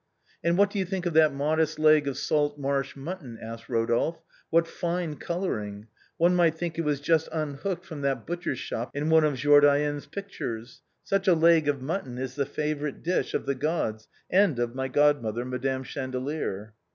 " And what do you think of that modest leg of salt marsh mutton ?" asked Eodolphe. " What fine coloring ! one might think it was just unhooked from that butcher's shop in one of Jordaën's pictures. Such a leg of mutton is the favorite dish of the gods, and of my godmother, Madame Chandelier."